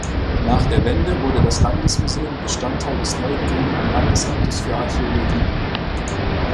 Nach der Wende wurde das Landesmuseum Bestandteil des neu gegründeten Landesamtes für Archäologie.